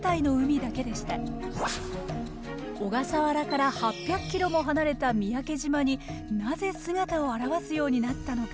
小笠原から８００キロも離れた三宅島になぜ姿を現すようになったのか？